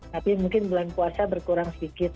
tapi mungkin bulan puasa berkurang sedikit